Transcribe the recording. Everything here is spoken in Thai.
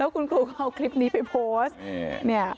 คุณครูก็เอาคลิปนี้ไปโพสต์